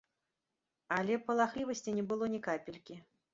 Але палахлівасці не было ні капелькі.